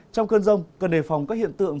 trong cơn rồng cần đề phòng các hiện tượng